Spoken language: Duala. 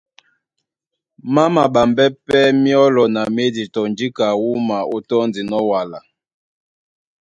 Má maɓambɛ́ pɛ́ myɔ́lɔ na médi tɔ njíka wúma ó tɔ́ndinɔ́ wala.